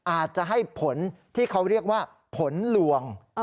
อาจจะให้ผลที่เขาเรียกว่าผลลวง